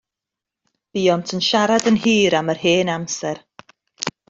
Buont yn siarad yn hir am yr hen amser.